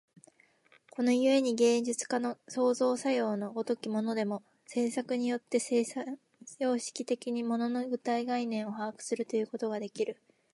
この故に芸術家の創造作用の如きものでも、制作によって生産様式的に物の具体概念を把握するということができる。